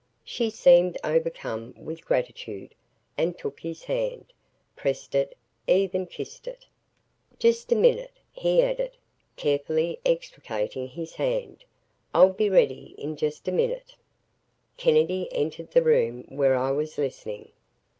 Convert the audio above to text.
She seemed overcome with gratitude and took his hand, pressed it, even kissed it. "Just a minute," he added, carefully extricating his hand. "I'll be ready in just a minute." Kennedy entered the room where I was listening.